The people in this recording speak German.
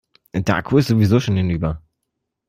Der Akku ist sowieso schon hinüber.